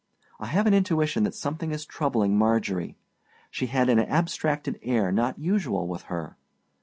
I have an intuition that something is troubling Marjorie. She had an abstracted air not usual with her.